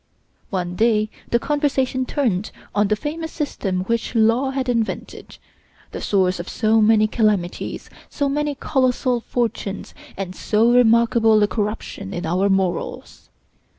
One day the conversation turned on the famous system which Law had invented; the source of so many calamities, so many colossal fortunes, and so remarkable a corruption in our morals.